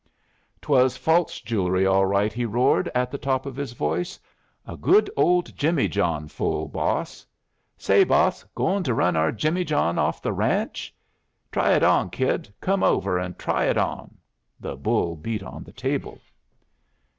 "Twas false jewelry all right!" he roared, at the top of his voice. "A good old jimmyjohn full, boss. Say, boss, goin' to run our jimmyjohn off the ranch? Try it on, kid. Come over and try it on!" The bull beat on the table.